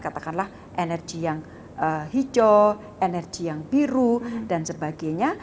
katakanlah energi yang hijau energi yang biru dan sebagainya